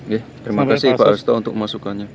terima kasih pak asto untuk masukannya